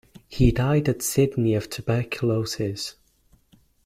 He died at Sydney of tuberculosis.